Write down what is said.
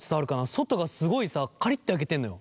外がすごいさカリッて焼けてんのよ。